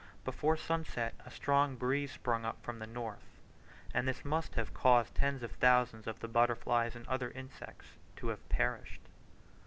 Before sunset a strong breeze sprung up from the north, and this must have caused tens of thousands of the butterflies and other insects to have perished.